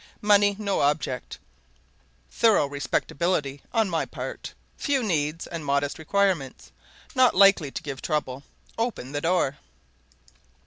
Money no object. Thorough respectability on my part. Few needs and modest requirements. Not likely to give trouble. Open the door!"